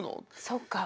そっか。